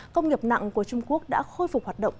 công nghiệp nặng của trung quốc đã khôi phục hoạt động